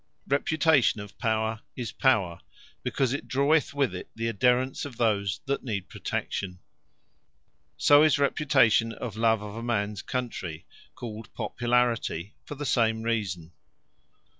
Reputation of power, is Power; because it draweth with it the adhaerance of those that need protection. So is Reputation of love of a mans Country, (called Popularity,) for the same Reason.